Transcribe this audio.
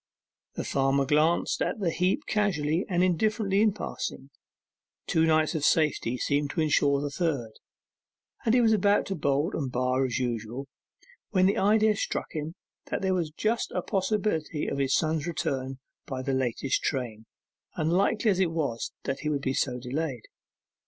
The farmer glanced at the heap casually and indifferently in passing; two nights of safety seemed to ensure the third; and he was about to bolt and bar as usual, when the idea struck him that there was just a possibility of his son's return by the latest train, unlikely as it was that he would be so delayed.